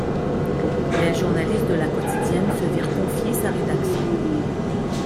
Les journalistes de La Quotidienne se virent confier sa rédaction.